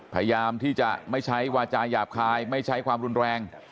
พยายามที่จะไม่ใช้วาจาหยาบคายไม่ใช้ความรุนแรง